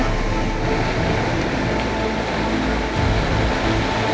untuk mencari kamu